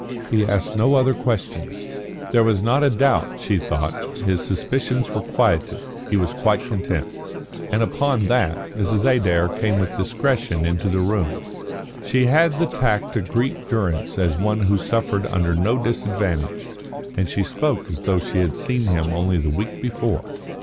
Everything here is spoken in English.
He asked no other questions. There was not a doubt, she thought; his suspicions were quieted; he was quite content. And upon that Mrs. Adair came with discretion into the room. She had the tact to greet Durrance as one who suffered under no disadvantage, and she spoke as though she had seen him only the week before.